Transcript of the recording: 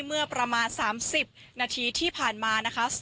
เมื่อประมาณ๓๐นาทีที่ผ่านมานะคะ